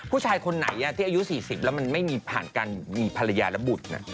ผู้ชายคนไหนที่อายุ๔๐แล้วมันไม่มีผ่านการมีภรรยาและบุตรนะ